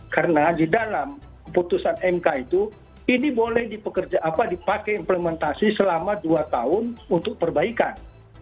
karena di dalam keputusan mk itu ini boleh dipakai implementasi selama dua tahun untuk perbaikan